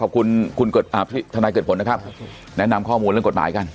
ขอบคุณคุณทนายเกิดผลนะครับแนะนำข้อมูลเรื่องกฎหมายกัน